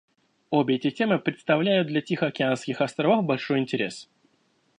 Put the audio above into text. Обе эти темы представляют для тихоокеанских островов большой интерес.